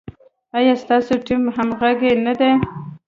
ایا ستاسو ټیم همغږی نه دی؟